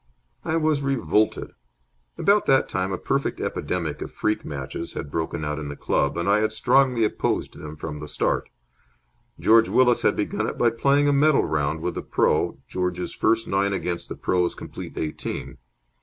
I was revolted. About that time a perfect epidemic of freak matches had broken out in the club, and I had strongly opposed them from the start. George Willis had begun it by playing a medal round with the pro., George's first nine against the pro.'s complete eighteen.